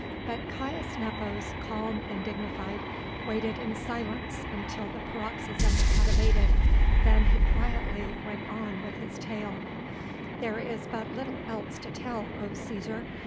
But Caius Nepos, calm and dignified, waited in silence until the paroxysm had abated, then he quietly went on with his tale. "There is but little else to tell, O Cæsar.